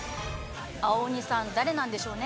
青鬼さん誰なんでしょうね？